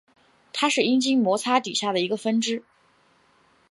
它是阴茎摩擦底下的一个分支。